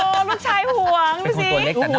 ลูกชายห่วงดูสิ